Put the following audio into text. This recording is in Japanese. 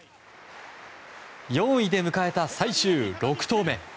４位で迎えた最終６投目。